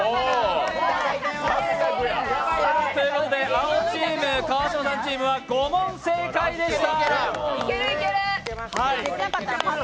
青チーム、川島さんチームは５問正解でした。